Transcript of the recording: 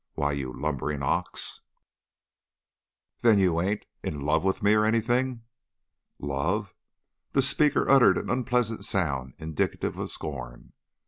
Why, you lumbering ox " "Then you ain't in love with me or or anything?" "Love?" The speaker uttered an unpleasant sound indicative of scorn.